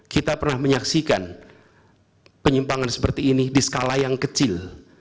kita pernah menyaksikan penyimpangan seperti ini di skala yang kecil